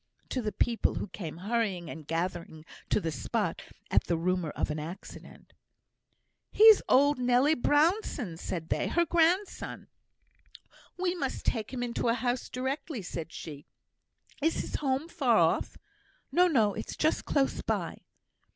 (to the people, who came hurrying and gathering to the spot at the rumour of an accident). "He's old Nelly Brownson's," said they. "Her grandson." "We must take him into a house directly," said she. "Is his home far off?" "No, no; it's just close by."